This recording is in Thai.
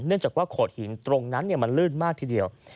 จากว่าโขดหินตรงนั้นมันลื่นมากทีเดียว